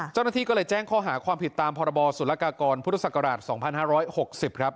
เจ้าหน้าที่ก็เลยแจ้งข้อหาความผิดตามพรบสุรกากรพุทธศักราช๒๕๖๐ครับ